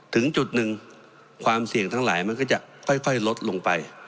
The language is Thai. ถึงจุดหนึ่งความเสี่ยงทั้งหลายมันก็จะค่อยลดลงไป